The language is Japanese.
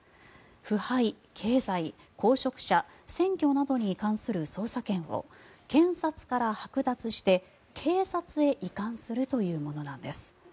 腐敗、経済、公職者選挙などに関する捜査権を検察からはく奪して警察へ移管するというものなんです。